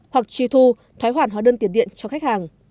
hoặc truy thu thoái hoản hóa đơn tiền điện cho khách hàng